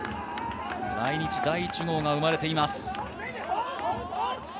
来日第１号が生まれています。